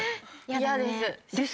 嫌です。